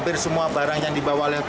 pertanian pertanian sukarman